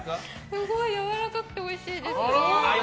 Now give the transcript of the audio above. すごい、やわらかくておいしいです。